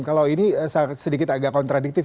kalau ini sedikit agak kontradiktif